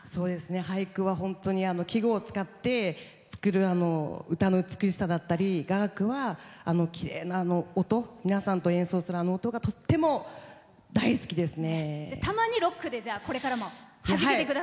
俳句は本当に季語を使って作る歌の美しさだったり雅楽はきれいな音、皆さんと演奏するあの音がとっても大好きですね。